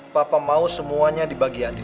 papa mau semuanya dibagi adi